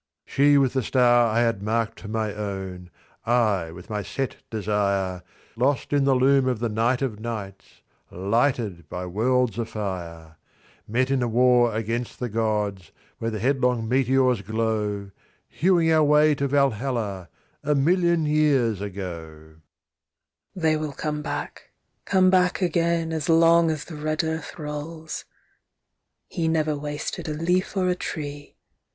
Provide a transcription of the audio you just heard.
She with the star I had marked for my own—I with my set desire—Lost in the loom of the Night of Nights—lighted by worlds afire—Met in a war against the Gods where the headlong meteors glow, Hewing our way to Valhalla, a million years ago! They will come back—come back again, as long as the red Earth rolls. He never wasted a leaf or a tree.